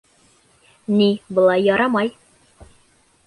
Ни, былай ярамай.